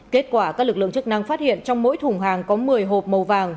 kết quả các lực lượng chức năng phát hiện trong mỗi thùng hàng có một mươi hộp màu vàng